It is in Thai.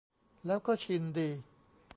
แล้วก็ชิลดี